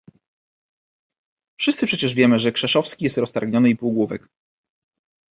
"Wszyscy przecież wiemy, że Krzeszowski jest roztargniony i półgłówek..."